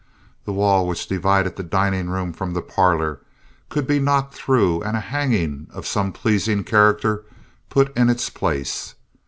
The wall which divided the dining room from the parlor could be knocked through and a hanging of some pleasing character put in its place.